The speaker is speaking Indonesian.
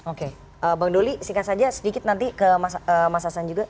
oke bang doli singkat saja sedikit nanti ke mas hasan juga